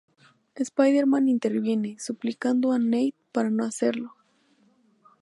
Spider-Man interviene, suplicando a Nate para no hacerlo.